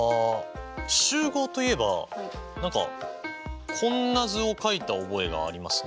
集合といえば何かこんな図を描いた覚えがありますね。